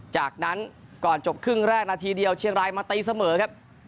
จากนั้นก่อนจบครึ่งแรกนาทีเดียวเชียงรายมาตีเสมอครับ